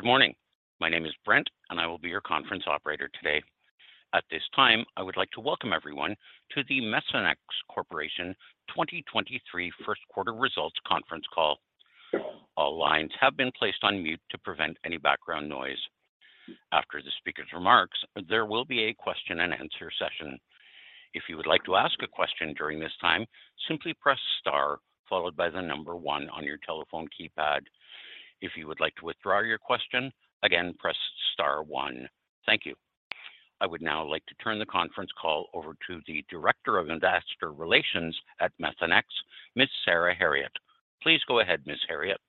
Good morning. My name is Brent, and I will be your conference operator today. At this time, I would like to welcome everyone to the Methanex Corporation 2023 first quarter results conference call. All lines have been placed on mute to prevent any background noise. After the speaker's remarks, there will be a question-and-answer session. If you would like to ask a question during this time, simply press star followed by one on your telephone keypad. If you would like to withdraw your question, again, press star one. Thank you. I would now like to turn the conference call over to the Director of Investor Relations at Methanex, Ms. Sarah Herriott. Please go ahead, Ms. Herriott.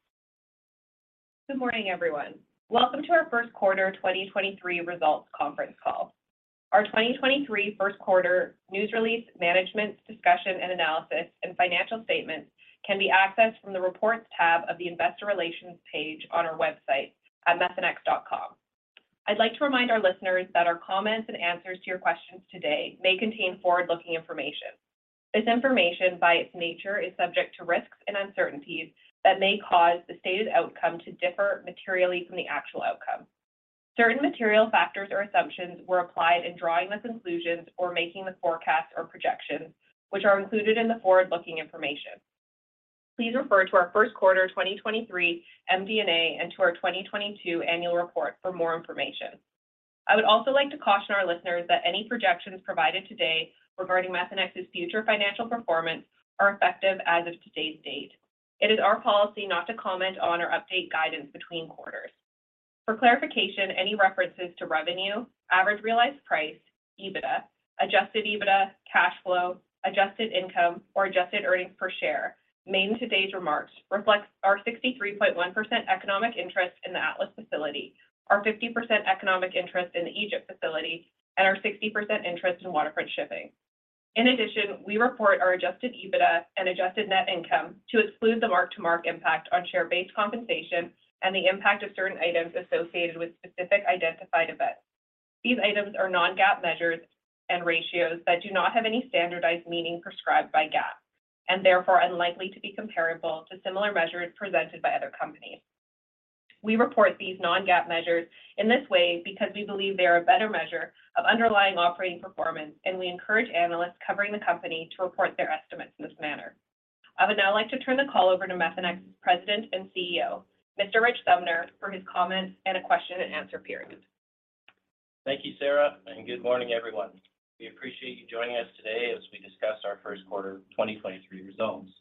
Good morning, everyone. Welcome to our first quarter 2023 results conference call. Our 2023 first quarter news release management's discussion and analysis and financial statements can be accessed from the Reports tab of the Investor Relations page on our website at methanex.com. I'd like to remind our listeners that our comments and answers to your questions today may contain forward-looking information. This information by its nature is subject to risks and uncertainties that may cause the stated outcome to differ materially from the actual outcome. Certain material factors or assumptions were applied in drawing the conclusions or making the forecasts or projections, which are included in the forward-looking information. Please refer to our first quarter 2023 MD&A and to our 2022 annual report for more information. I would also like to caution our listeners that any projections provided today regarding Methanex's future financial performance are effective as of today's date. It is our policy not to comment on or update guidance between quarters. For clarification, any references to revenue, average realized price, EBITDA, Adjusted EBITDA, cash flow, adjusted income, or adjusted earnings per share made in today's remarks reflects our 63.1% economic interest in the Atlas facility, our 50% economic interest in the Egypt facility, and our 60% interest in Waterfront Shipping. In addition, we report our Adjusted EBITDA and adjusted net income to exclude the mark-to-market impact on share-based compensation and the impact of certain items associated with specific identified events. These items are non-GAAP measures and ratios that do not have any standardized meaning prescribed by GAAP and therefore unlikely to be comparable to similar measures presented by other companies. We report these non-GAAP measures in this way because we believe they are a better measure of underlying operating performance, and we encourage analysts covering the company to report their estimates in this manner. I would now like to turn the call over to Methanex's President and CEO, Mr. Rich Sumner, for his comments and a question-and-answer period. Thank you, Sarah. Good morning, everyone. We appreciate you joining us today as we discuss our first quarter 2023 results.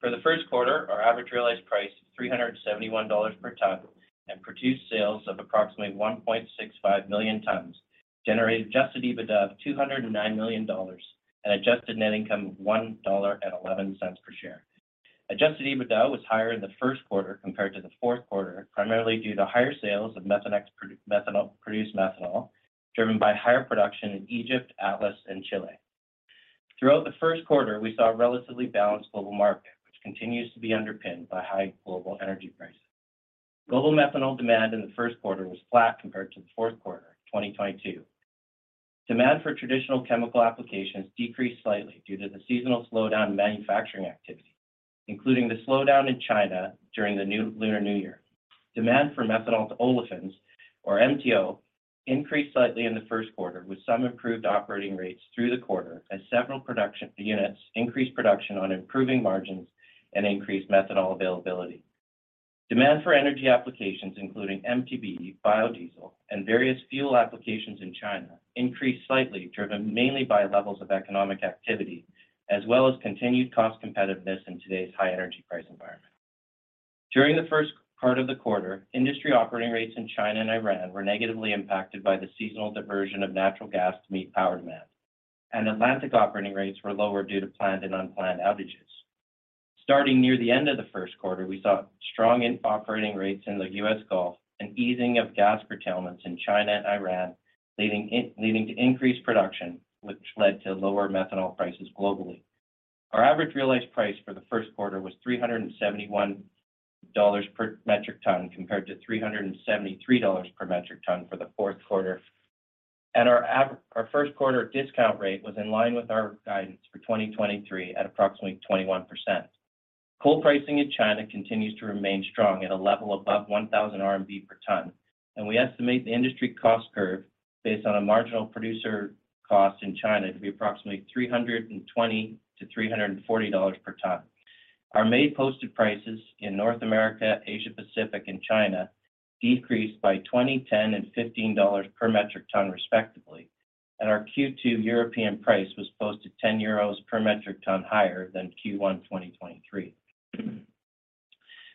For the first quarter, our average realized price of $371 per tonne and produced sales of approximately 1.65 million tonnes, generated Adjusted EBITDA of $209 million and adjusted net income of $1.11 per share. Adjusted EBITDA was higher in the first quarter compared to the fourth quarter, primarily due to higher sales of Methanex produced methanol, driven by higher production in Egypt, Atlas, and Chile. Throughout the first quarter, we saw a relatively balanced global market, which continues to be underpinned by high global energy prices. Global methanol demand in the first quarter was flat compared to the fourth quarter 2022. Demand for traditional chemical applications decreased slightly due to the seasonal slowdown in manufacturing activity, including the slowdown in China during the Lunar New Year. Demand for methanol to olefins, or MTO, increased slightly in the first quarter, with some improved operating rates through the quarter as several production units increased production on improving margins and increased methanol availability. Demand for energy applications, including MTBE, biodiesel, and various fuel applications in China, increased slightly, driven mainly by levels of economic activity as well as continued cost competitiveness in today's high energy price environment. During the first part of the quarter, industry operating rates in China and Iran were negatively impacted by the seasonal diversion of natural gas to meet power demand, and Atlantic operating rates were lower due to planned and unplanned outages. Starting near the end of the first quarter, we saw strong operating rates in the U.S. Gulf, an easing of gas curtailments in China and Iran, leading to increased production, which led to lower methanol prices globally. Our average realized price for the first quarter was $371 per metric tonne, compared to $373 per metric tonne for the fourth quarter. Our first quarter discount rate was in line with our guidance for 2023 at approximately 21%. Coal pricing in China continues to remain strong at a level above 1,000 RMB per tonne, and we estimate the industry cost curve based on a marginal producer cost in China to be approximately $320-$340 per tonne. Our May posted prices in North America, Asia Pacific, and China decreased by $20, $10, and $15 per metric tonne, respectively. Our Q2 European price was posted 10 euros per metric tonne higher than Q1 2023.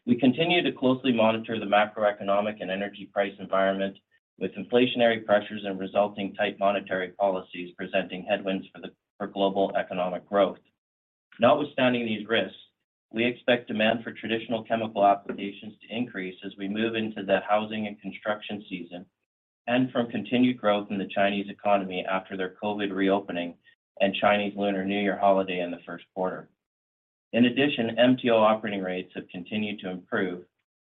We continue to closely monitor the macroeconomic and energy price environment with inflationary pressures and resulting tight monetary policies presenting headwinds for global economic growth. Notwithstanding these risks, we expect demand for traditional chemical applications to increase as we move into the housing and construction season and from continued growth in the Chinese economy after their COVID reopening and Chinese Lunar New Year holiday in the first quarter. In addition, MTO operating rates have continued to improve,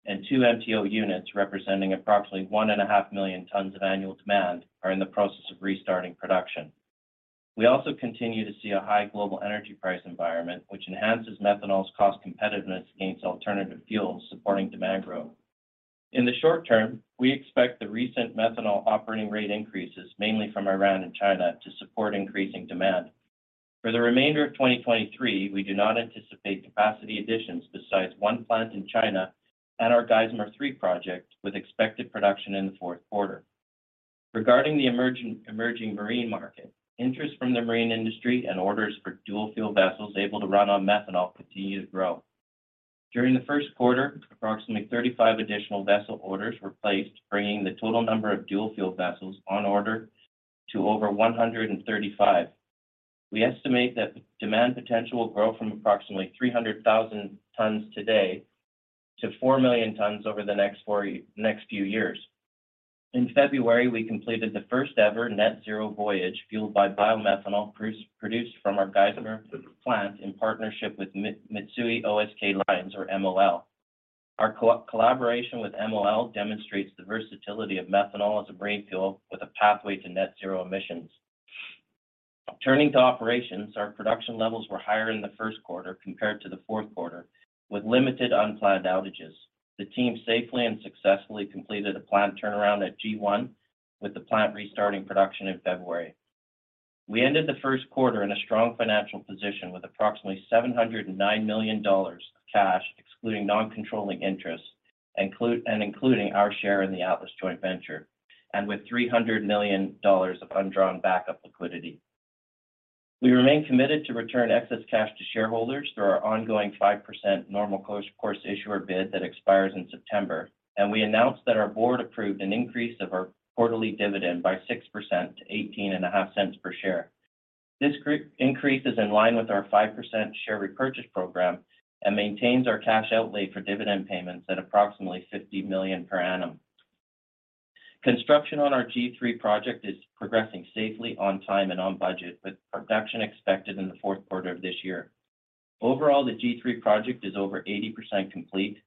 and two MTO units representing approximately 1.5 million tonnes of annual demand are in the process of restarting production. We also continue to see a high global energy price environment, which enhances methanol's cost competitiveness against alternative fuels, supporting demand growth. In the short term, we expect the recent methanol operating rate increases, mainly from Iran and China, to support increasing demand. For the remainder of 2023, we do not anticipate capacity additions besides one plant in China and our Geismar 3 project, with expected production in the fourth quarter. Regarding the emerging marine market, interest from the marine industry and orders for dual-fuel vessels able to run on methanol continue to grow. During the first quarter, approximately 35 additional vessel orders were placed, bringing the total number of dual-fuel vessels on order to over 135. We estimate that the demand potential will grow from approximately 300,000 tonnes today to 4 million tonnes over the next few years. In February, we completed the first-ever net zero voyage fueled by bio-methanol produced from our Geismar plant in partnership with Mitsui O.S.K. Lines, or MOL. Our collaboration with MOL demonstrates the versatility of methanol as a brain fuel with a pathway to net zero emissions. Turning to operations, our production levels were higher in the first quarter compared to the fourth quarter, with limited unplanned outages. The team safely and successfully completed a planned turnaround at G1, with the plant restarting production in February. We ended the first quarter in a strong financial position with approximately $709 million of cash, excluding non-controlling interests, and including our share in the Atlas joint venture, and with $300 million of undrawn backup liquidity. We remain committed to return excess cash to shareholders through our ongoing 5% normal course issuer bid that expires in September. We announced that our Board approved an increase of our quarterly dividend by 6% to $0.185 per share. This increase is in line with our 5% share repurchase program and maintains our cash outlay for dividend payments at approximately $50 million per annum. Construction on our G3 project is progressing safely on time and on budget, with production expected in the fourth quarter of this year. Overall, the G3 project is over 80% complete.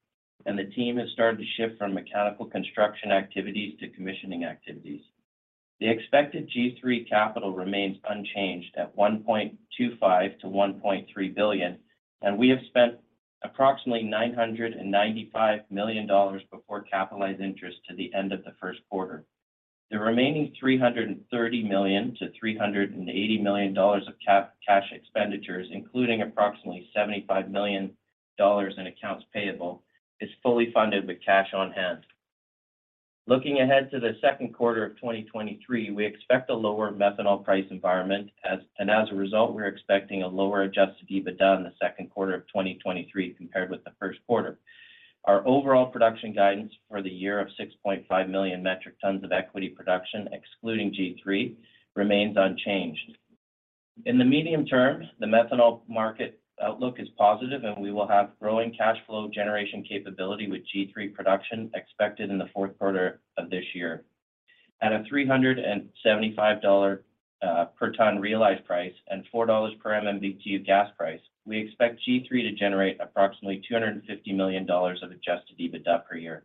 The team has started to shift from mechanical construction activities to commissioning activities. The expected G3 capital remains unchanged at $1.25 billion-$1.3 billion. We have spent approximately $995 million before capitalized interest to the end of the first quarter. The remaining $330 million-$380 million of cash expenditures, including approximately $75 million in accounts payable, is fully funded with cash on hand. Looking ahead to the second quarter of 2023, as a result, we're expecting a lower Adjusted EBITDA in the second quarter of 2023 compared with the first quarter. Our overall production guidance for the year of 6.5 million metric tonnes of equity production, excluding G3, remains unchanged. In the medium term, the methanol market outlook is positive. We will have growing cash flow generation capability with G3 production expected in the fourth quarter of this year. At a $375 per tonne realized price and $4 per mmbtu gas price, we expect G3 to generate approximately $250 million of Adjusted EBITDA per year.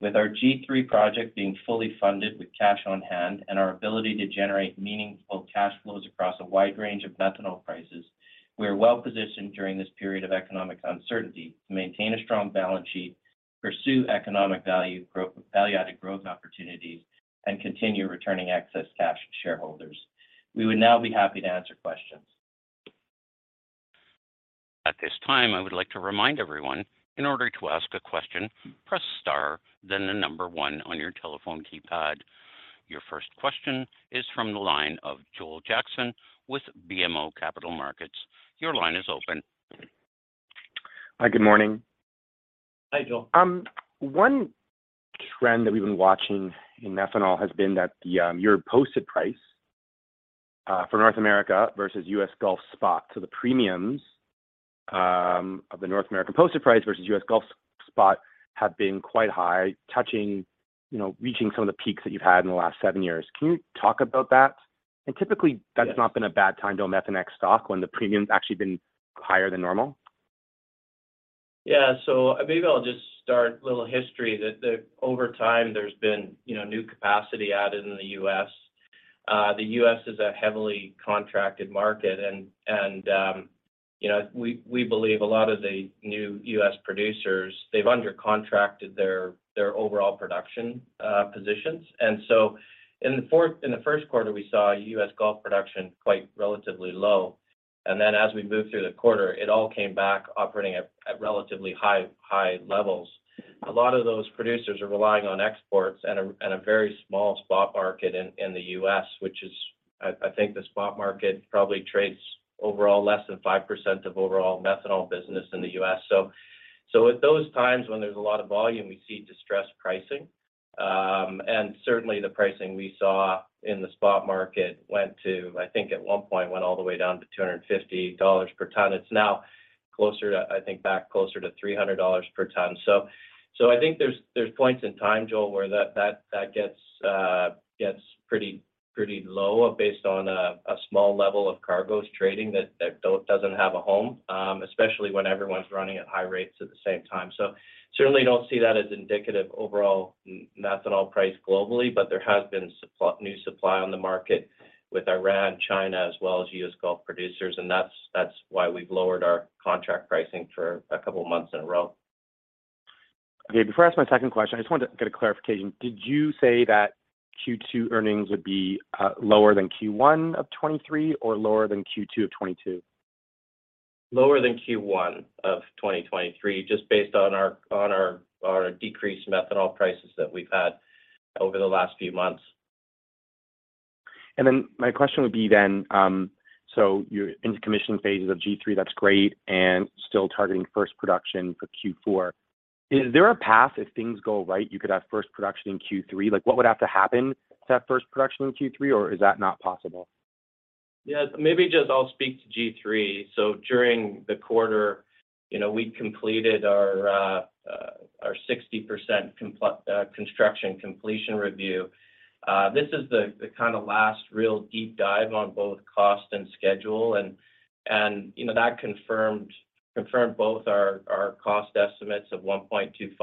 With our G3 project being fully funded with cash on hand and our ability to generate meaningful cash flows across a wide range of methanol prices, we are well positioned during this period of economic uncertainty to maintain a strong balance sheet, pursue economic value-added growth opportunities, and continue returning excess cash to shareholders. We would now be happy to answer questions. At this time, I would like to remind everyone, in order to ask a question, press star then the number one on your telephone keypad. Your first question is from the line of Joel Jackson with BMO Capital Markets. Your line is open. Hi, good morning. Hi, Joel. One trend that we've been watching in methanol has been that the your posted price for North America versus U.S. Gulf spot, so the premiums of the North American posted price versus U.S. Gulf spot have been quite high, touching, you know, reaching some of the peaks that you've had in the last seven years. Can you talk about that? Typically, that's not been a bad time to own Methanex stock when the premium's actually been higher than normal. Maybe I'll just start a little history that over time, there's been, you know, new capacity added in the U.S. The U.S. is a heavily contracted market and, you know, we believe a lot of the new U.S. producers, they've undercontracted their overall production positions. In the first quarter, we saw U.S. Gulf production quite relatively low. Then as we moved through the quarter, it all came back operating at relatively high levels. A lot of those producers are relying on exports at a very small spot market in the U.S. which is, I think the spot market probably trades overall less than 5% of overall methanol business in the U.S. At those times when there's a lot of volume, we see distressed pricing. Certainly the pricing we saw in the spot market went to, I think, at one point, went all the way down to $250 per tonne. It's now closer to, I think, back closer to $300 per tonne. I think there's points in time, Joel, where that, that gets pretty low based on a small level of cargoes trading that doesn't have a home, especially when everyone's running at high rates at the same time. Certainly don't see that as indicative overall methanol price globally, but there has been new supply on the market with Iran, China as well as U.S. Gulf producers, that's why we've lowered our contract pricing for a couple of months in a row. Okay. Before I ask my second question, I just wanted to get a clarification. Did you say that Q2 earnings would be lower than Q1 of 2023 or lower than Q2 of 2022? Lower than Q1 of 2023, just based on our decreased methanol prices that we've had over the last few months. My question would be then, you're into commissioning phases of G3, that's great, and still targeting first production for Q4. Is there a path if things go right, you could have first production in Q3? What would have to happen to have first production in Q3, or is that not possible? Yeah. Maybe just I'll speak to G3. During the quarter, you know, we completed our 60% construction completion review. This is the kinda last real deep dive on both cost and schedule and, you know, that confirmed both our cost estimates of $1.25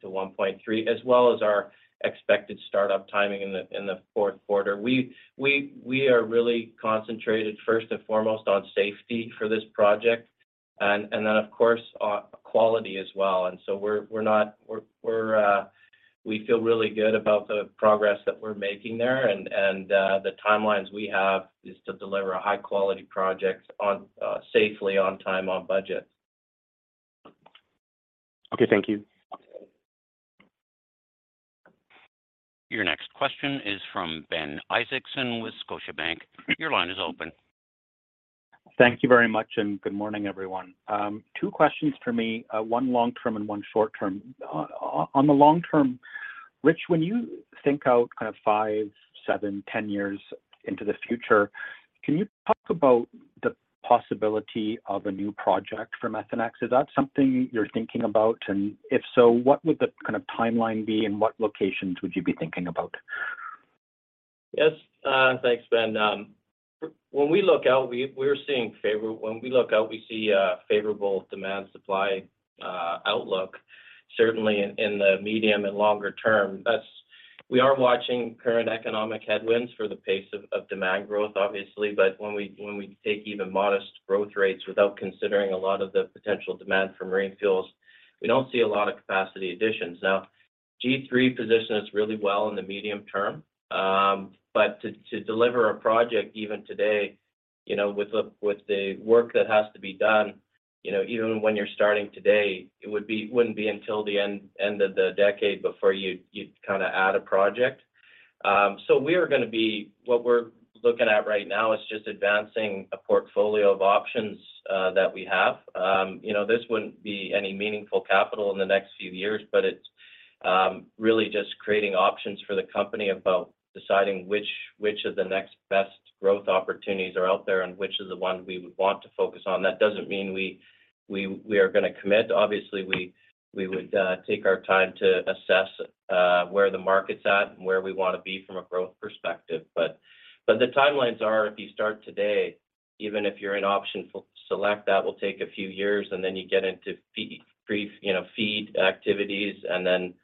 billion-$1.3 billion, as well as our expected start-up timing in the fourth quarter. We are really concentrated first and foremost on safety for this project and then, of course, quality as well. We feel really good about the progress that we're making there and the timelines we have is to deliver a high quality project on safely, on time, on budget. Okay. Thank you. Your next question is from Ben Isaacson with Scotiabank. Your line is open. Thank you very much, and good morning, everyone. Two questions for me, one long-term and one short-term. On the long-term, Rich, when you think out kind of five, seven, 10 years into the future, can you talk about the possibility of a new project for Methanex? Is that something you're thinking about? If so, what would the kind of timeline be, and what locations would you be thinking about? Yes. Thanks, Ben. When we look out, we see a favorable demand supply outlook certainly in the medium and longer term. We are watching current economic headwinds for the pace of demand growth, obviously. When we take even modest growth rates without considering a lot of the potential demand for marine fuels, we don't see a lot of capacity additions. Now, G3 positions really well in the medium term, but to deliver a project even today, you know, with the work that has to be done, you know, even when you're starting today, it wouldn't be until the end of the decade before you'd kinda add a project. What we're looking at right now is just advancing a portfolio of options that we have. You know, this wouldn't be any meaningful capital in the next few years, but it's really just creating options for the company about deciding which of the next best growth opportunities are out there and which is the one we would want to focus on. That doesn't mean we are gonna commit. Obviously, we would take our time to assess where the market's at and where we wanna be from a growth perspective. The timelines are if you start today, even if you're in option select, that will take a few years, and then you get into pre, you know, feed activities and then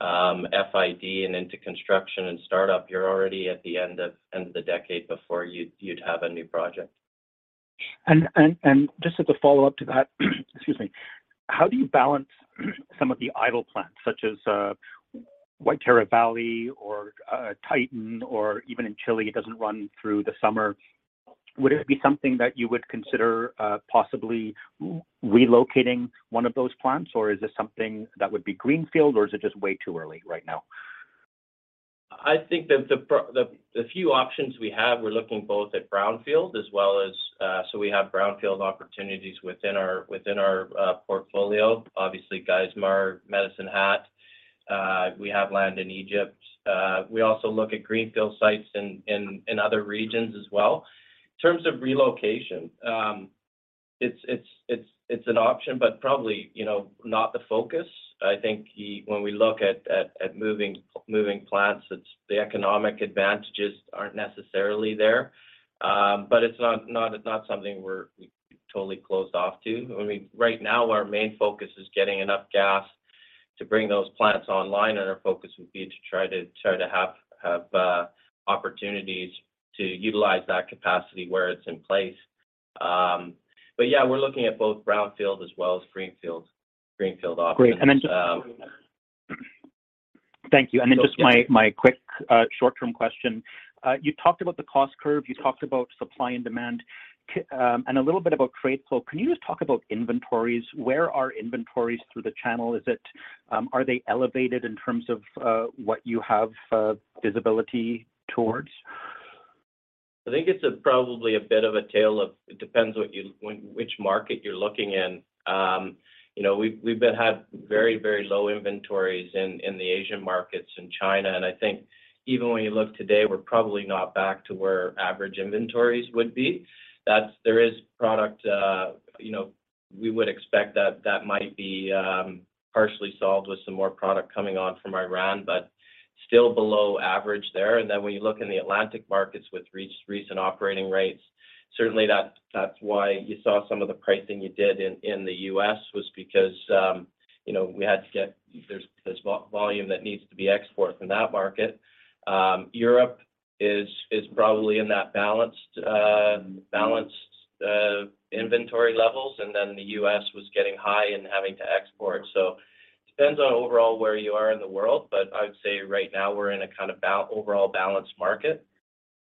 FID and into construction and start up. You're already at the end of the decade before you'd have a new project. Just as a follow-up to that, excuse me. How do you balance some of the idle plants such as, Waitara Valley or Titan or even in Chile, it doesn't run through the summer? Would it be something that you would consider, possibly relocating one of those plants, or is this something that would be greenfield, or is it just way too early right now? I think that the few options we have, we're looking both at brownfield as well. We have brownfield opportunities within our portfolio. Obviously, Geismar, Medicine Hat. We have land in Egypt. We also look at greenfield sites in other regions as well. In terms of relocation, it's an option, but probably, you know, not the focus. I think when we look at moving plants, the economic advantages aren't necessarily there. It's not something we're totally closed off to. I mean, right now our main focus is getting enough gas to bring those plants online, and our focus would be to try to have opportunities to utilize that capacity where it's in place. Yeah, we're looking at both brownfield as well as greenfields, greenfield options. Great. Then just... Thank you. Yeah. Just my quick short-term question. You talked about the cost curve, you talked about supply and demand, and a little bit about trade flow. Can you just talk about inventories? Where are inventories through the channel? Is it, are they elevated in terms of what you have visibility towards? I think it's probably a bit of a tale of it depends what which market you're looking in. You know, we've been had very, very low inventories in the Asian markets in China. I think even when you look today, we're probably not back to where average inventories would be. That's there is product. You know, we would expect that that might be partially solved with some more product coming on from Iran, but still below average there. Then when you look in the Atlantic markets with recent operating rates, certainly that's why you saw some of the pricing you did in the U.S. was because, you know, we had to get there's volume that needs to be exported from that market. Europe is probably in that balanced inventory levels, and then the U.S. was getting high and having to export. Depends on overall where you are in the world. I would say right now we're in a kind of overall balanced market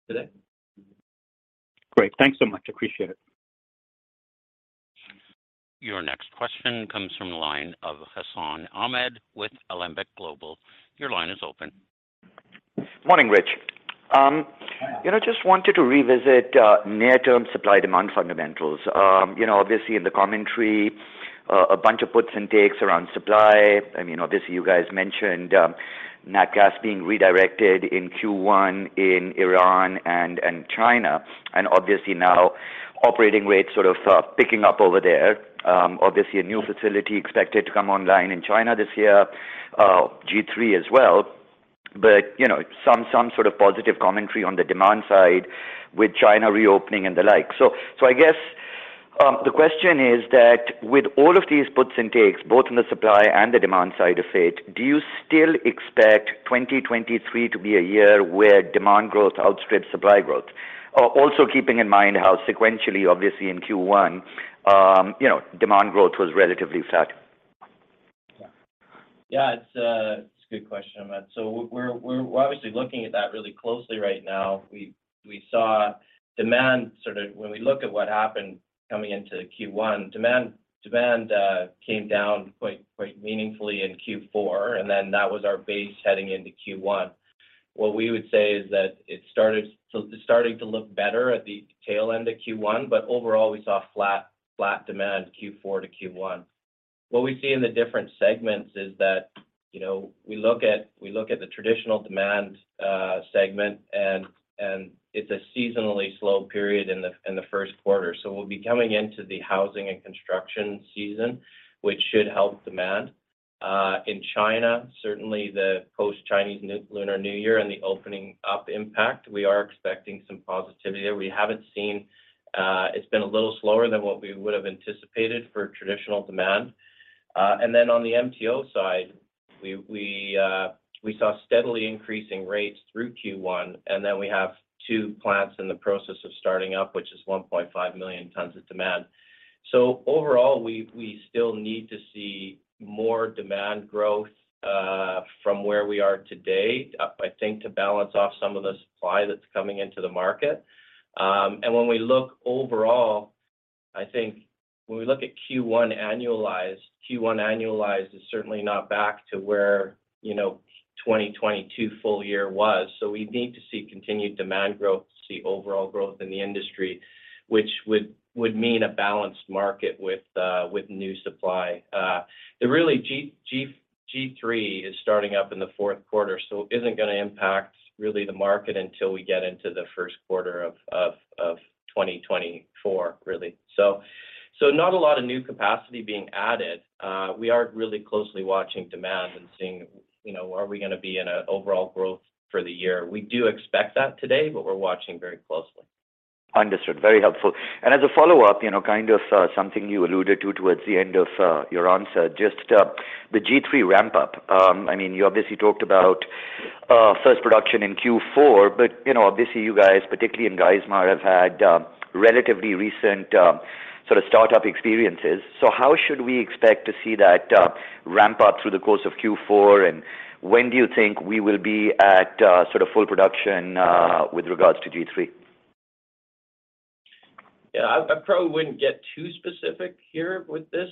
today. Great. Thanks so much. Appreciate it. Your next question comes from the line of Hassan Ahmed with Alembic Global. Your line is open. Morning, Rich. You know, just wanted to revisit near-term supply demand fundamentals. You know, obviously in the commentary, a bunch of puts and takes around supply. I mean, obviously you guys mentioned nat gas being redirected in Q1 in Iran and China, and obviously now operating rates sort of picking up over there. Obviously a new facility expected to come online in China this year, G3 as well. You know, some sort of positive commentary on the demand side with China reopening and the like. I guess, the question is that with all of these puts and takes, both on the supply and the demand side of it, do you still expect 2023 to be a year where demand growth outstrips supply growth? Also keeping in mind how sequentially, obviously in Q1, you know, demand growth was relatively flat. Yeah, it's a good question, Ahmed. We're obviously looking at that really closely right now. We saw demand. When we look at what happened coming into Q1, demand came down quite meaningfully in Q4, that was our base heading into Q1. What we would say is that it starting to look better at the tail end of Q1, overall, we saw flat demand Q4 to Q1. What we see in the different segments is that, you know, we look at the traditional demand segment and it's a seasonally slow period in the first quarter. We'll be coming into the housing and construction season, which should help demand. In China, certainly the post-Chinese Lunar New Year and the opening up impact, we are expecting some positivity there. We haven't seen, it's been a little slower than what we would have anticipated for traditional demand. On the MTO side, we saw steadily increasing rates through Q1. We have two plants in the process of starting up, which is 1.5 million tonnes of demand. Overall, we still need to see more demand growth from where we are today, I think to balance off some of the supply that's coming into the market. When we look overall, I think when we look at Q1 annualized, Q1 annualized is certainly not back to where, you know, 2022 full year was. We need to see continued demand growth to see overall growth in the industry, which would mean a balanced market with new supply. The really G3 is starting up in the fourth quarter, so isn't gonna impact really the market until we get into the first quarter of 2024, really. Not a lot of new capacity being added. We are really closely watching demand and seeing, you know, are we gonna be in a overall growth for the year. We do expect that today, but we're watching very closely. Understood. Very helpful. As a follow-up, you know, something you alluded to towards the end of your answer, just the G3 ramp-up. I mean, you obviously talked about first production in Q4, but you know, obviously you guys, particularly in Geismar, have had relatively recent sort of start-up experiences. How should we expect to see that ramp up through the course of Q4? When do you think we will be at sort of full production with regards to G3? Yeah. I probably wouldn't get too specific here with this.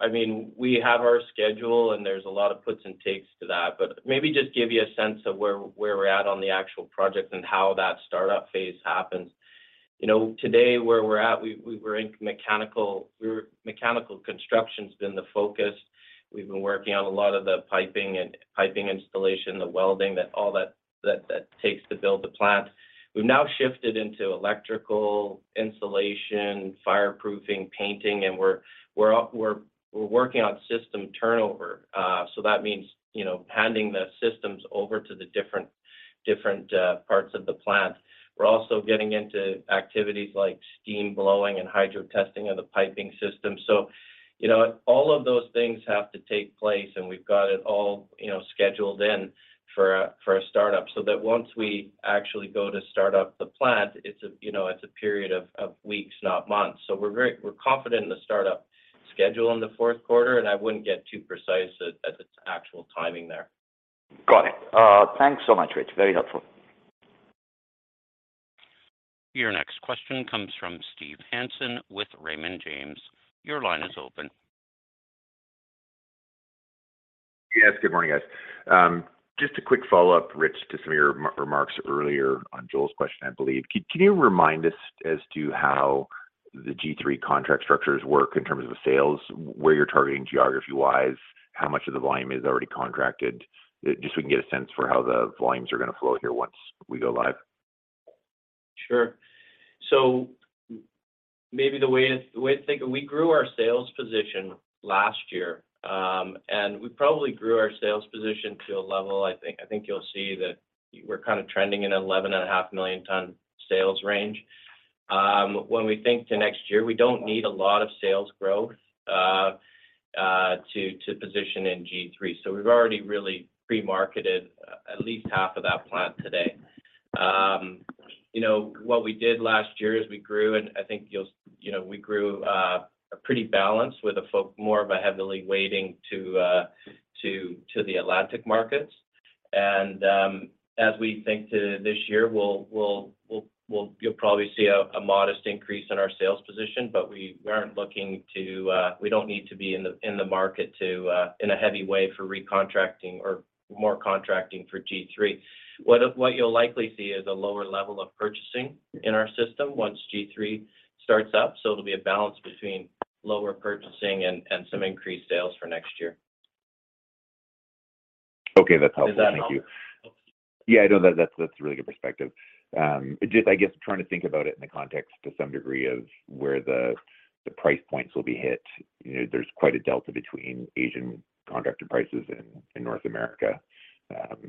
I mean, we have our schedule and there's a lot of puts and takes to that, but maybe just give you a sense of where we're at on the actual project and how that startup phase happens. You know, today where we're at, mechanical construction's been the focus. We've been working on a lot of the piping and piping installation, the welding, that all that takes to build the plant. We've now shifted into electrical, insulation, fireproofing, painting, and we're working on system turnover. That means, you know, handing the systems over to the different parts of the plant. We're also getting into activities like steam blowing and hydro testing of the piping system. You know, all of those things have to take place, and we've got it all, you know, scheduled in for a startup, so that once we actually go to start up the plant, it's a period of weeks, not months. We're confident in the startup schedule in the fourth quarter, and I wouldn't get too precise at its actual timing there. Got it. Thanks so much, Rich. Very helpful. Your next question comes from Steve Hansen with Raymond James. Your line is open. Yes. Good morning, guys. Just a quick follow-up, Rich, to some of your remarks earlier on Joel's question, I believe. Can you remind us as to how the G3 contract structures work in terms of the sales, where you're targeting geography-wise, how much of the volume is already contracted? Just so we can get a sense for how the volumes are gonna flow here once we go live. Sure. Maybe the way to think of, we grew our sales position last year, and we probably grew our sales position to a level, I think you'll see that we're kind of trending in 11.5 million tonne sales range. When we think to next year, we don't need a lot of sales growth to position in G3. We've already really pre-marketed at least half of that plant today. What we did last year is we grew pretty balanced with a more of a heavily weighting to the Atlantic markets. As we think to this year, you'll probably see a modest increase in our sales position, but we weren't looking to, we don't need to be in the market to in a heavy way for recontracting or more contracting for G3. What you'll likely see is a lower level of purchasing in our system once G3 starts up. It'll be a balance between lower purchasing and some increased sales for next year. Okay. That's helpful. Thank you. Does that help? Yeah, that's a really good perspective. Just I guess trying to think about it in the context to some degree of where the price points will be hit. You know, there's quite a delta between Asian contracted prices in North America.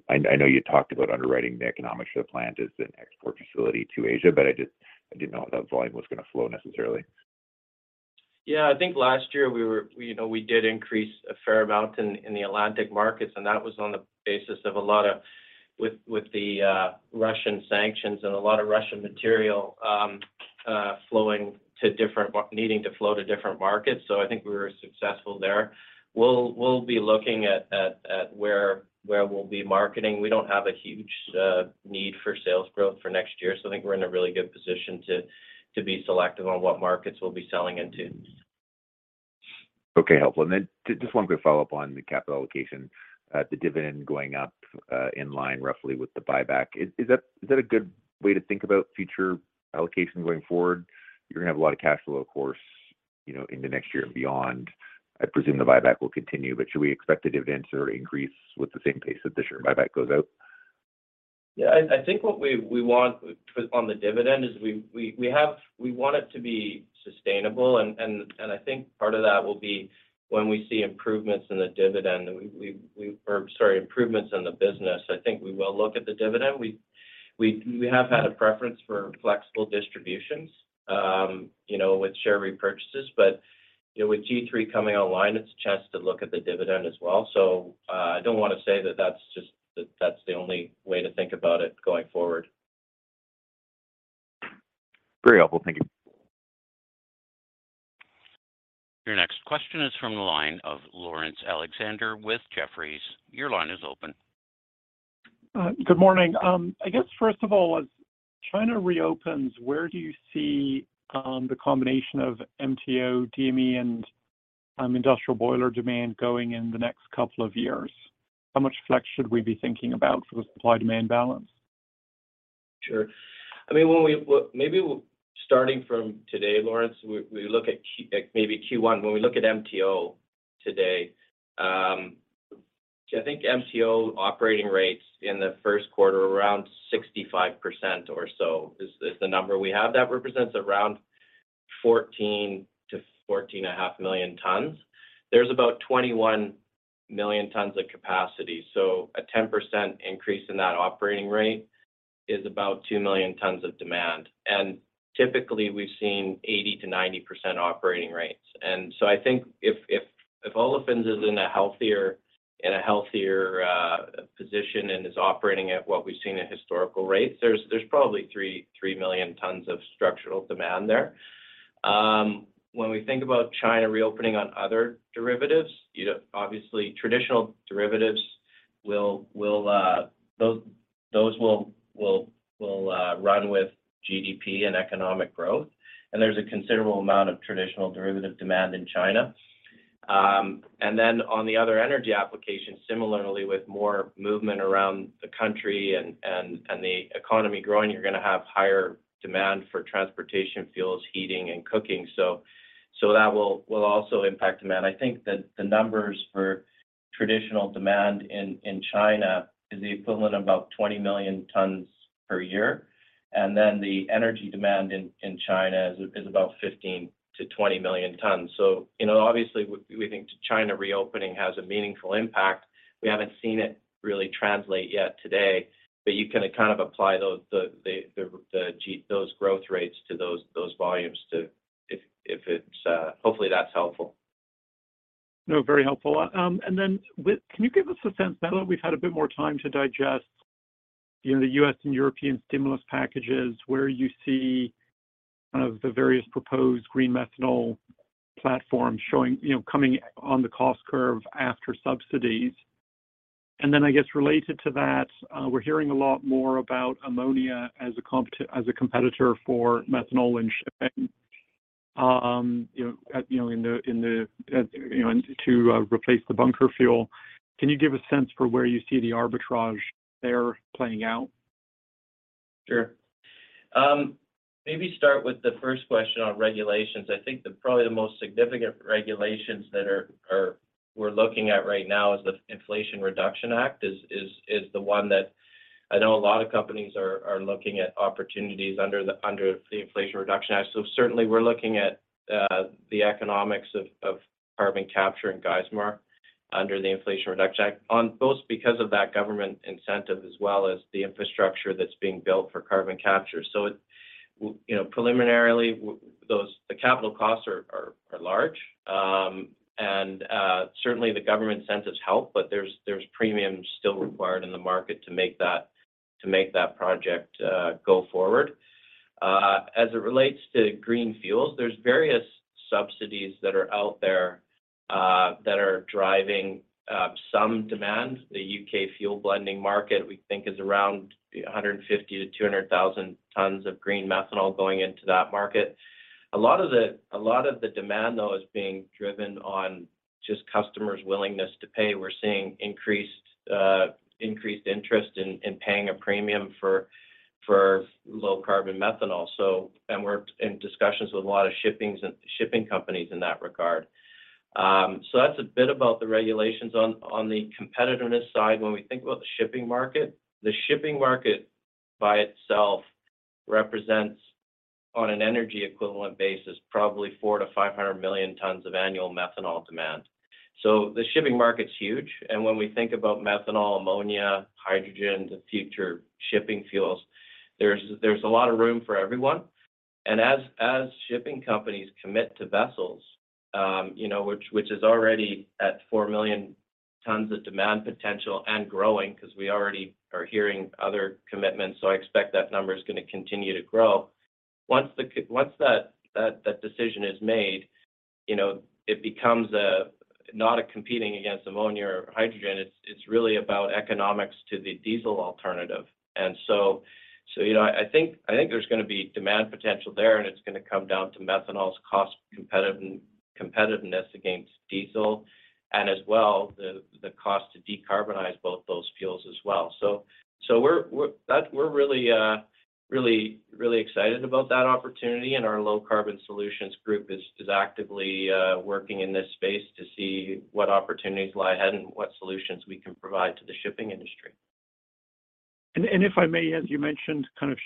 I know you talked about underwriting the economics of the plant as an export facility to Asia, but I just, I didn't know if that volume was gonna flow necessarily. Yeah. I think last year we were, you know, we did increase a fair amount in the Atlantic markets. That was on the basis of a lot of with the Russian sanctions and a lot of Russian material flowing to different markets. I think we were successful there. We'll be looking at where we'll be marketing. We don't have a huge need for sales growth for next year, I think we're in a really good position to be selective on what markets we'll be selling into. Okay. Helpful. Just one quick follow-up on the capital allocation. The dividend going up in line roughly with the buyback. Is that a good way to think about future allocation going forward? You're gonna have a lot of cash flow, of course, you know, into next year and beyond. I presume the buyback will continue, but should we expect the dividends to increase with the same pace that this year buyback goes out? Yeah. I think what we want on the dividend is we want it to be sustainable and I think part of that will be when we see improvements in the dividend, and we, or sorry, improvements in the business, I think we will look at the dividend. We have had a preference for flexible distributions, you know, with share repurchases. You know, with G3 coming online, it's a chance to look at the dividend as well. I don't wanna say that that's just the only way to think about it going forward. Very helpful. Thank you. Your next question is from the line of Laurence Alexander with Jefferies. Your line is open. Good morning. I guess first of all, as China reopens, where do you see, the combination of MTO, DME, and industrial boiler demand going in the next couple of years? How much flex should we be thinking about for the supply-demand balance? Sure. I mean, Well, maybe starting from today, Laurence, we look at Q1. When we look at MTO today, I think MTO operating rates in the first quarter around 65% or so is the number we have. That represents around 14 million-14.5 million tonnes. There's about 21 million tonnes of capacity, so a 10% increase in that operating rate is about 2 million tonnes of demand. Typically, we've seen 80%-90% operating rates. So I think if olefins is in a healthier position and is operating at what we've seen at historical rates, there's probably 3 million tonnes of structural demand there. When we think about China reopening on other derivatives, you know, obviously traditional derivatives will, those will run with GDP and economic growth, and there's a considerable amount of traditional derivative demand in China. And then on the other energy applications, similarly with more movement around the country and the economy growing, you're gonna have higher demand for transportation fuels, heating, and cooking. That will also impact demand. I think that the numbers for traditional demand in China is the equivalent of about 20 million tonnes per year, and then the energy demand in China is about 15 million-20 million tonnes. You know, obviously we think China reopening has a meaningful impact. We haven't seen it really translate yet today, but you can kind of apply those growth rates to those volumes. If it's. Hopefully that's helpful. No, very helpful. And then with can you give us a sense now that we've had a bit more time to digest, you know, the U.S. and European stimulus packages, where you see kind of the various proposed green methanol platforms showing, you know, coming on the cost curve after subsidies? I guess related to that, we're hearing a lot more about ammonia as a competitor for methanol in shipping, you know, at, you know, in the, in the, you know, and to, replace the bunker fuel. Can you give a sense for where you see the arbitrage there playing out? Sure. Maybe start with the first question on regulations. I think that probably the most significant regulations that we're looking at right now is the Inflation Reduction Act, is the one that I know a lot of companies are looking at opportunities under the Inflation Reduction Act. Certainly we're looking at the economics of carbon capture in Geismar under the Inflation Reduction Act on both because of that government incentive as well as the infrastructure that's being built for carbon capture. You know, preliminarily, the capital costs are large. Certainly the government incentives help, but there's premiums still required in the market to make that project go forward. As it relates to green fuels, there's various subsidies that are out there that are driving some demand. The U.K. fuel blending market, we think is around 150,000 tonnes-200,000 tonnes of green methanol going into that market. A lot of the demand, though, is being driven on just customers' willingness to pay. We're seeing increased interest in paying a premium for low carbon methanol. We're in discussions with a lot of shipping companies in that regard. That's a bit about the regulations. On the competitiveness side, when we think about the shipping market, the shipping market by itself represents, on an energy equivalent basis, probably 400 million-500 million tonnes of annual methanol demand. The shipping market's huge. When we think about methanol, ammonia, hydrogen, the future shipping fuels, there's a lot of room for everyone. As shipping companies commit to vessels, you know, which is already at 4 million tonnes of demand potential and growing 'cause we already are hearing other commitments, so I expect that number is gonna continue to grow. Once that decision is made, you know, it becomes not a competing against ammonia or hydrogen. It's really about economics to the diesel alternative. You know, I think there's gonna be demand potential there, and it's gonna come down to methanol's cost competitiveness against diesel, and as well, the cost to decarbonize both those fuels as well. We're really excited about that opportunity, and our Low Carbon Solutions group is actively working in this space to see what opportunities lie ahead and what solutions we can provide to the shipping industry. If I may, as you mentioned, kind of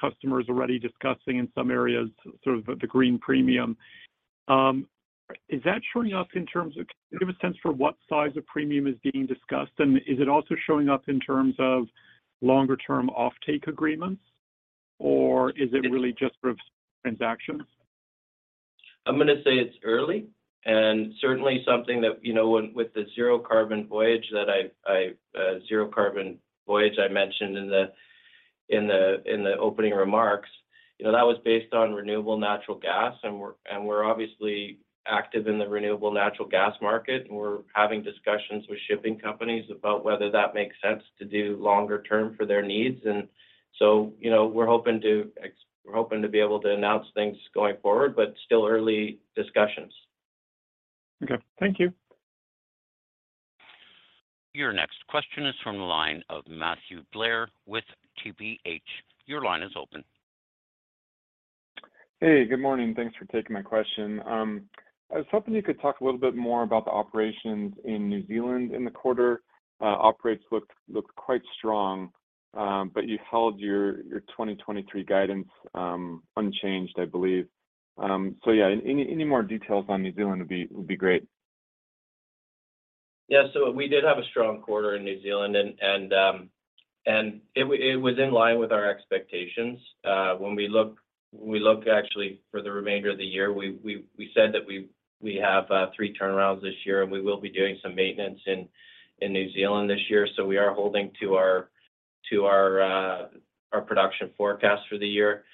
customers already discussing in some areas sort of the green premium. Can you give a sense for what size of premium is being discussed? Is it also showing up in terms of longer term offtake agreements, or is it really just for transactions? I'm gonna say it's early, and certainly something that, you know, with the zero carbon voyage I mentioned in the opening remarks, you know, that was based on renewable natural gas. We're obviously active in the renewable natural gas market. We're having discussions with shipping companies about whether that makes sense to do longer term for their needs. You know, we're hoping to be able to announce things going forward, but still early discussions. Okay. Thank you. Your next question is from the line of Matthew Blair with TPH. Your line is open. Hey, good morning. Thanks for taking my question. I was hoping you could talk a little bit more about the operations in New Zealand in the quarter. Operator looked quite strong, but you held your 2023 guidance unchanged, I believe. Any more details on New Zealand would be great. We did have a strong quarter in New Zealand and it was in line with our expectations. When we look, when we look actually for the remainder of the year, we said that we have three turnarounds this year, and we will be doing some maintenance in New Zealand this year. We are holding to our production forecast for the year.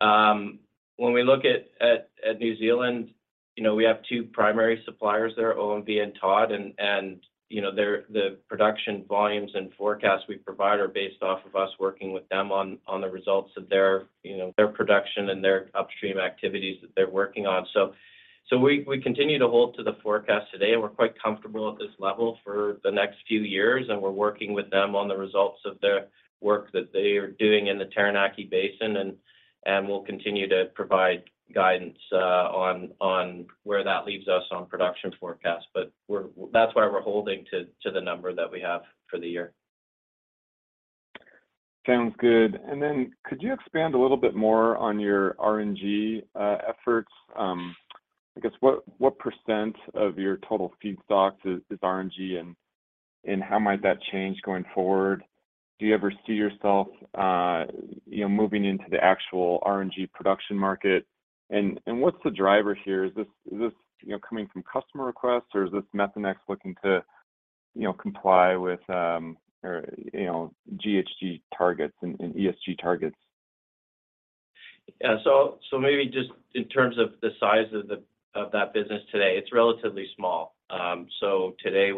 When we look at New Zealand, you know, we have two primary suppliers there, OMV and Todd. You know, the production volumes and forecasts we provide are based off of us working with them on the results of their, you know, their production and their upstream activities that they're working on. We continue to hold to the forecast today, and we're quite comfortable at this level for the next few years, and we're working with them on the results of the work that they are doing in the Taranaki Basin. We'll continue to provide guidance on where that leaves us on production forecast. That's why we're holding to the number that we have for the year. Sounds good. Then could you expand a little bit more on your RNG efforts? I guess what percent of your total feedstock is RNG, how might that change going forward? Do you ever see yourself, you know, moving into the actual RNG production market? What's the driver here? Is this, you know, coming from customer requests, or is this Methanex looking to, you know, comply with, or, you know, GHG targets and ESG targets? Maybe just in terms of the size of that business today, it's relatively small. Today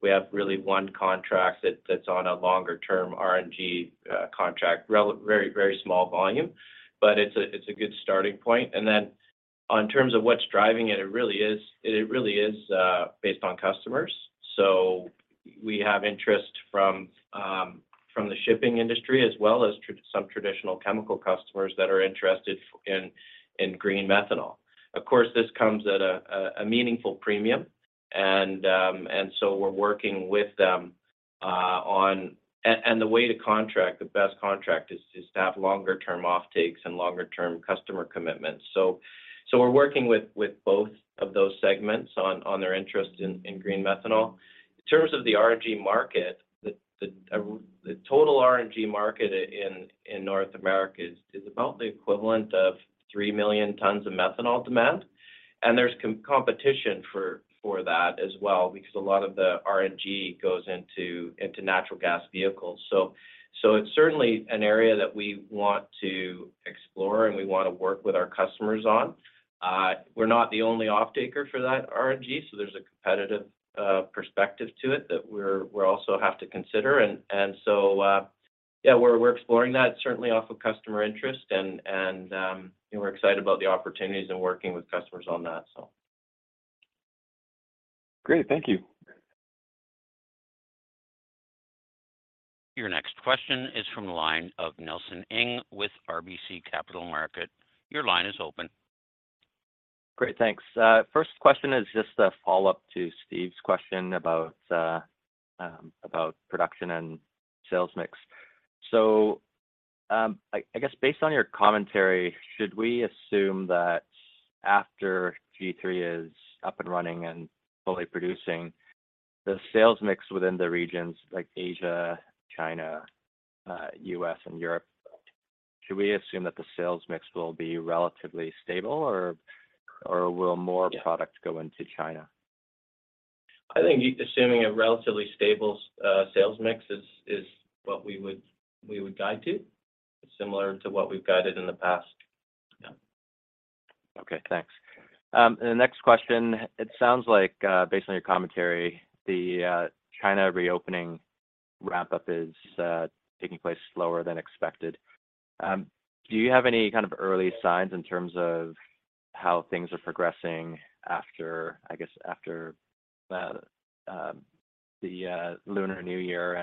we have really one contract that's on a longer term RNG contract. Very small volume, but it's a good starting point. On terms of what's driving it really is based on customers. You know, we have interest from the shipping industry as well as some traditional chemical customers that are interested in green methanol. Of course, this comes at a meaningful premium and we're working with them on. And the way to contract the best contract is to have longer term offtakes and longer term customer commitments. We're working with both of those segments on their interest in green methanol. In terms of the RNG market, the total RNG market in North America is about the equivalent of 3 million tonnes of methanol demand, and there's competition for that as well, because a lot of the RNG goes into natural gas vehicles. It's certainly an area that we wanna explore, and we wanna work with our customers on. We're not the only offtaker for that RNG, so there's a competitive perspective to it that we also have to consider. Yeah, we're exploring that certainly off of customer interest and, you know, we're excited about the opportunities and working with customers on that. Great. Thank you. Your next question is from the line of Nelson Ng with RBC Capital Markets. Your line is open. Great. Thanks. First question is just a follow-up to Steve's question about production and sales mix. I guess based on your commentary, should we assume that after G3 is up and running and fully producing the sales mix within the regions like Asia, China, U.S. and Europe, should we assume that the sales mix will be relatively stable or will more products go into China? I think assuming a relatively stable, sales mix is what we would guide to, similar to what we've guided in the past. Yeah. Okay. Thanks. The next question, it sounds like, based on your commentary, the China reopening wrap-up is taking place slower than expected. Do you have any kind of early signs in terms of how things are progressing after, I guess, after the Lunar New Year?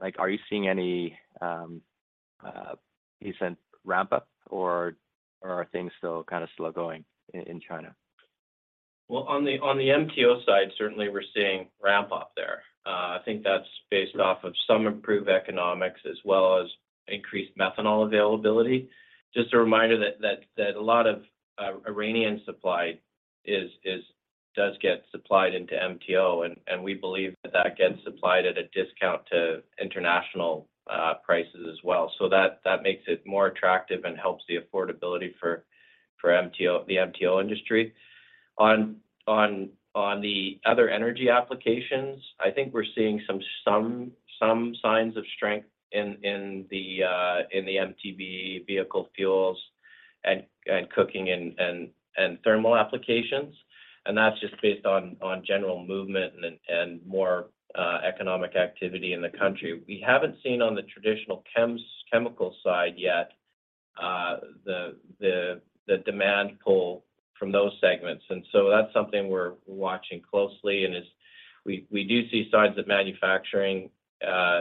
Like are you seeing any decent ramp up or are things still kind of slow going in China? Well, on the MTO side, certainly we're seeing ramp up there. I think that's based off of some improved economics as well as increased methanol availability. Just a reminder that a lot of Iranian supply is supplied into MTO and we believe that gets supplied at a discount to international prices as well, so that makes it more attractive and helps the affordability for MTO, the MTO industry. On the other energy applications, I think we're seeing some signs of strength in the MTBE vehicle fuels and cooking and thermal applications. That's just based on general movement and more economic activity in the country. We haven't seen on the traditional chemical side yet, the demand pull from those segments. That's something we're watching closely, and as we do see signs that manufacturing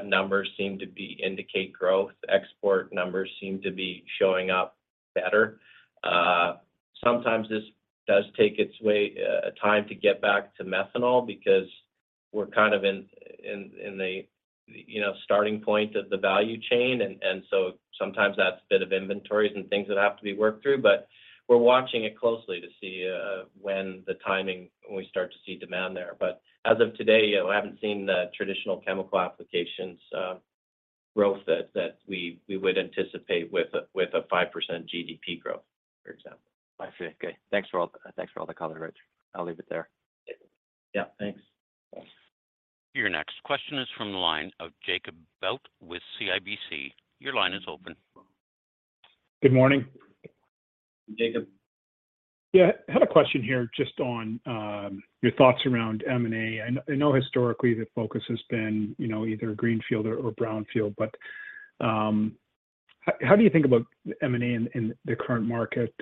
numbers seem to be indicate growth. Export numbers seem to be showing up better. Sometimes this does take time to get back to methanol because we're kind of in the, you know, starting point of the value chain. Sometimes that's a bit of inventories and things that have to be worked through, but we're watching it closely to see when we start to see demand there. As of today, we haven't seen the traditional chemical applications growth that we would anticipate with a 5% GDP growth, for example. I see. Okay. Thanks for all the color, Rich. I'll leave it there. Yeah. Thanks. Your next question is from the line of Jacob Bout with CIBC. Your line is open. Good morning. Jacob. Yeah. Had a question here just on your thoughts around M&A. I know historically the focus has been, you know, either greenfield or brownfield, how do you think about M&A in the current market?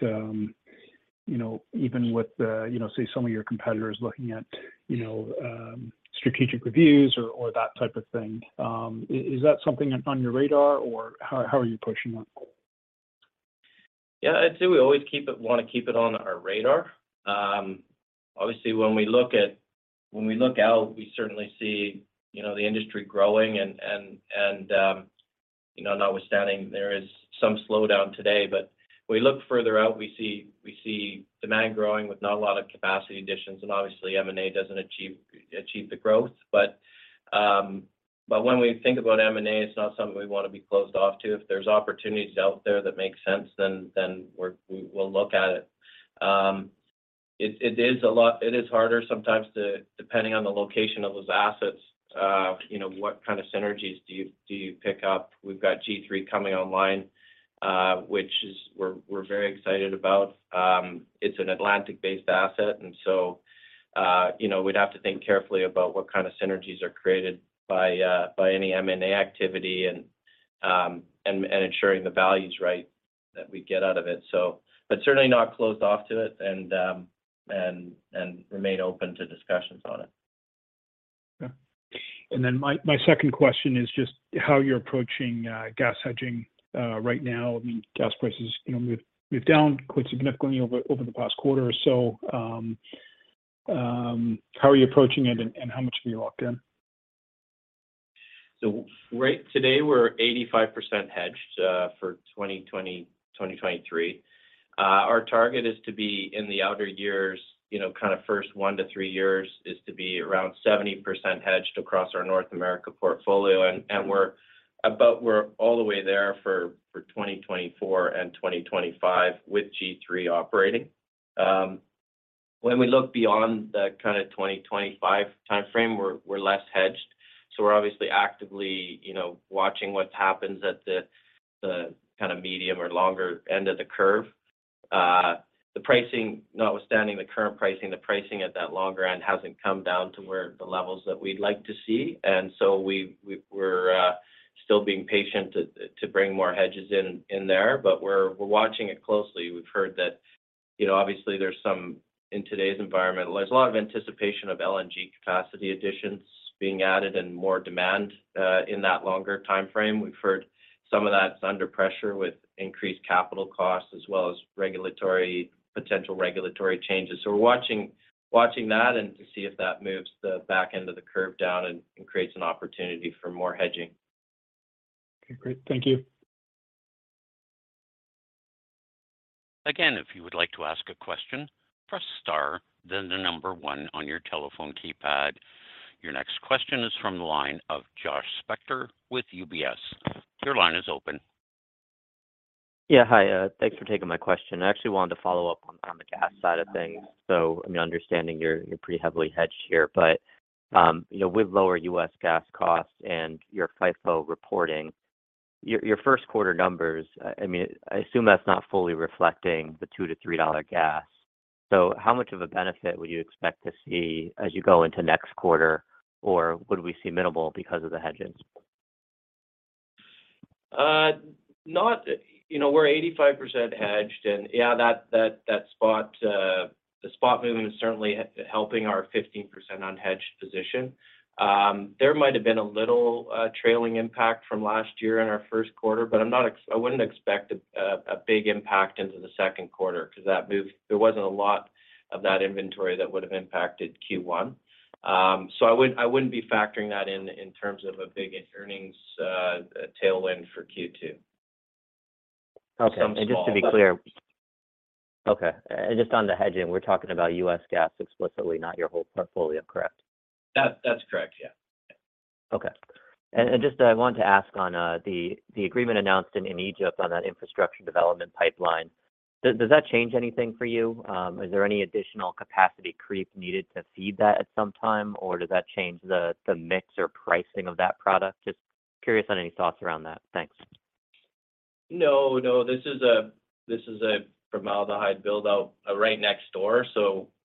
You know, even with the, you know, say some of your competitors looking at, you know, strategic reviews or that type of thing, is that something on your radar, or how are you approaching that? Yeah, I'd say we always wanna keep it on our radar. Obviously when we look out, we certainly see, you know, the industry growing and, you know, notwithstanding there is some slowdown today. We look further out, we see demand growing with not a lot of capacity additions, and obviously M&A doesn't achieve the growth. When we think about M&A, it's not something we wanna be closed off to. If there's opportunities out there that make sense, then we will look at it. It is a lot, it is harder sometimes to, depending on the location of those assets, you know, what kind of synergies do you pick up? We've got G3 coming online, which is we're very excited about. It's an Atlantic-based asset, you know, we'd have to think carefully about what kind of synergies are created by any M&A activity. Ensuring the values right that we get out of it. But certainly not closed off to it and remain open to discussions on it. My second question is just how you're approaching gas hedging right now. I mean, gas prices, you know, moved down quite significantly over the past quarter or so. How are you approaching it and how much have you locked in? Today we're 85% hedged for 2020, 2023. Our target is to be in the outer years, you know, kind of first one to three years is to be around 70% hedged across our North America portfolio. We're all the way there for 2024 and 2025 with G3 operating. When we look beyond the kinda 2025 timeframe, we're less hedged. We're obviously actively, you know, watching what happens at the kinda medium or longer end of the curve. The pricing, notwithstanding the current pricing, the pricing at that longer end hasn't come down to where the levels that we'd like to see. We're still being patient to bring more hedges in there, but we're watching it closely. We've heard that, you know, In today's environment, there's a lot of anticipation of LNG capacity additions being added and more demand in that longer timeframe. We've heard some of that's under pressure with increased capital costs as well as regulatory, potential regulatory changes. We're watching that and to see if that moves the back end of the curve down and creates an opportunity for more hedging. Okay, great. Thank you. If you would like to ask a question, press star then one on your telephone keypad. Your next question is from the line of Josh Spector with UBS. Your line is open. Yeah, hi. Thanks for taking my question. I actually wanted to follow up on the gas side of things. I mean, understanding you're pretty heavily hedged here, but, you know, with lower U.S. gas costs and your FIFO reporting, your first quarter numbers, I mean, I assume that's not fully reflecting the $2-$3 gas. How much of a benefit would you expect to see as you go into next quarter, or would we see minimal because of the hedges? Not, you know, we're 85% hedged. Yeah, that spot, the spot moving is certainly helping our 15% unhedged position. There might have been a little trailing impact from last year in our first quarter. I'm not I wouldn't expect a big impact into the second quarter 'cause that move, there wasn't a lot of that inventory that would've impacted Q1. I wouldn't, I wouldn't be factoring that in in terms of a big earnings tailwind for Q2. Okay. Just to be clear. Okay. Just on the hedging, we're talking about U.S. gas explicitly, not your whole portfolio, correct? That's correct. Yeah. Okay. Just I want to ask on the agreement announced in Egypt on that infrastructure development pipeline. Does that change anything for you? Is there any additional capacity creep needed to feed that at some time, or does that change the mix or pricing of that product? Just curious on any thoughts around that. Thanks. No, no, this is a formaldehyde build-out right next door.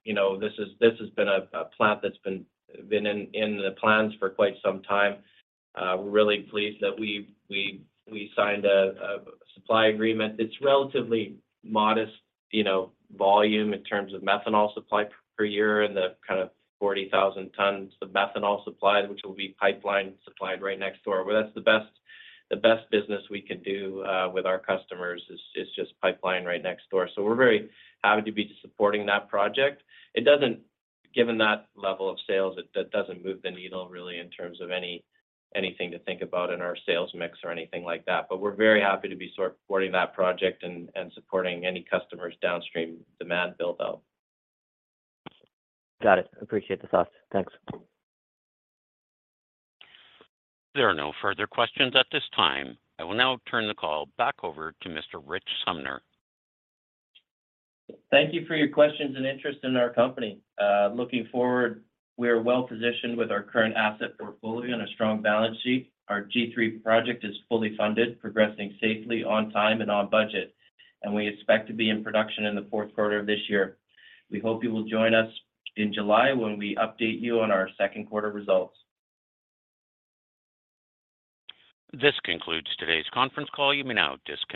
You know, this has been a plant that's been in the plans for quite some time. We're really pleased that we signed a supply agreement that's relatively modest, you know, volume in terms of methanol supply per year and the kind of 40,000 tonnes of methanol supplied, which will be pipeline supplied right next door. Well, that's the best business we can do with our customers is just pipeline right next door. We're very happy to be supporting that project. Given that level of sales, that doesn't move the needle really in terms of anything to think about in our sales mix or anything like that. We're very happy to be sort of supporting that project and supporting any customers downstream demand build out. Got it. Appreciate the thoughts. Thanks. There are no further questions at this time. I will now turn the call back over to Mr. Rich Sumner. Thank you for your questions and interest in our company. Looking forward, we are well-positioned with our current asset portfolio and a strong balance sheet. Our G3 project is fully funded, progressing safely, on time and on budget, and we expect to be in production in the fourth quarter of this year. We hope you will join us in July when we update you on our second quarter results. This concludes today's conference call. You may now disconnect.